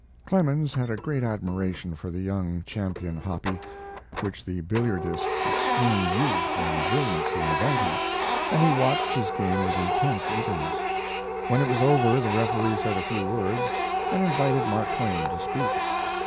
Clemens had a great admiration for the young champion Hoppe, which the billiardist's extreme youth and brilliancy invited, and he watched his game with intense eagerness. When it was over the referee said a few words and invited Mark Twain to speak.